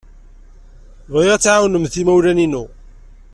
Bɣiɣ ad tɛawnemt imawlan-inu.